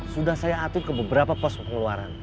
sudah saya atur ke beberapa pos pengeluaran